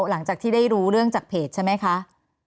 หลังจากที่ได้รู้เรื่องจากเพจใช่ไหมคะ